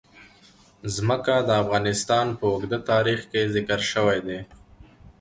ځمکه د افغانستان په اوږده تاریخ کې ذکر شوی دی.